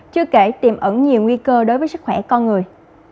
chưa kể tiềm ẩn nhiều nguy cơ đối với sức khỏe con người